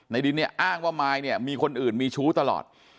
ดินเนี่ยอ้างว่ามายเนี่ยมีคนอื่นมีชู้ตลอด